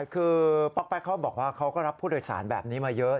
คือป๊อกแป๊กเขาบอกว่าเขาก็รับผู้โดยสารแบบนี้มาเยอะ